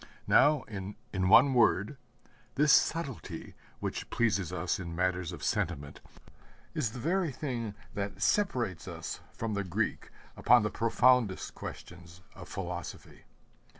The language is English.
Now, in one word, this subtlety which pleases us in matters of sentiment is the very thing that separates us from the Greek upon the profoundest questions of philosophy.